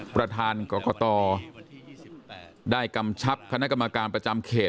ประธานกรกตได้กำชับคณะกรรมการประจำเขต